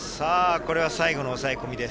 これ、最後の抑え込みです。